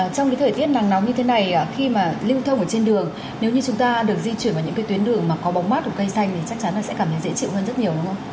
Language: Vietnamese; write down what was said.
trong cái thời tiết nắng nóng như thế này khi mà lưu thông ở trên đường nếu như chúng ta được di chuyển vào những tuyến đường mà có bóng mát hoặc cây xanh thì chắc chắn là sẽ cảm thấy dễ chịu hơn rất nhiều đúng không